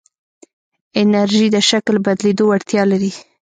انرژی د شکل بدلېدو وړتیا لري.